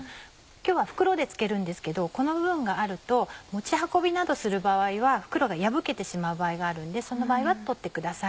今日は袋でつけるんですけどこの部分があると持ち運びなどする場合は袋が破けてしまう場合があるんでその場合は取ってください。